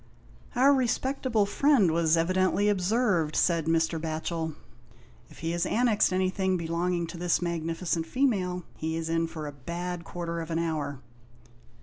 " Our respectable friend was evidently observed," said Mr. Batchel. " If he has annexed 183 G HOST TALES. anything belonging to this magnificent female, he is in for a bad quarter of an hour."